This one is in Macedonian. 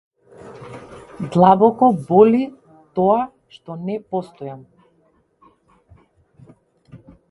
Длабоко боли тоа што не постојам.